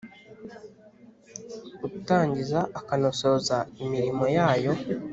utangiza akanasoza imirimo yayo